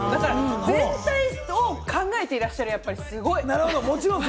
全体を考えていらっしゃる。